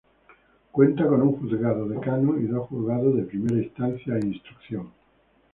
Cuenta con un Juzgado Decano y dos juzgados de Primera Instancia e Instrucción.